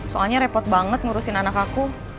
soalnya repot banget ngurusin anak aku